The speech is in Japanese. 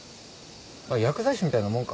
あっ薬剤師みたいなもんか？